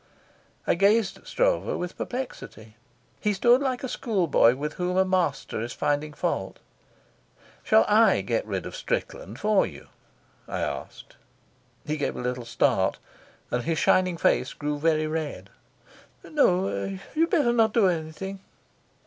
I gazed at Stroeve with perplexity. He stood like a schoolboy with whom a master is finding fault. "Shall I get rid of Strickland for you?" I asked. He gave a little start, and his shining face grew very red. "No. You'd better not do anything."